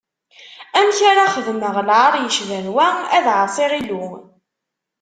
Amek ara xedmeɣ lɛaṛ yecban wa, ad ɛaṣiɣ Illu?